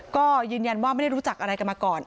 ก็ยืนยันว่าไม่ได้รู้จักอะไรกันมาก่อน